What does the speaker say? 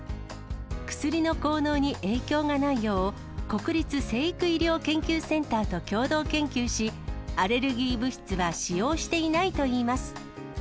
薬の効能に影響がないよう、国立成育医療研究センターと共同研究し、アレルギー物質は使用していないといいます。